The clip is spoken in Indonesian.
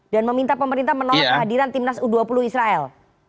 dan meminta pemerintah menolak kehadiran tim nas u dua puluh israel